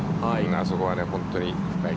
あそこは本当に深い。